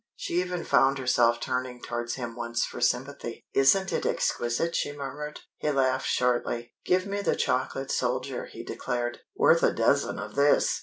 She even found herself turning towards him once for sympathy. "Isn't it exquisite?" she murmured. He laughed shortly. "Give me The Chocolate Soldier," he declared. "Worth a dozen of this!"